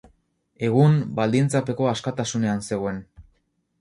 Egun, baldintzapeko askatasunean zegoen.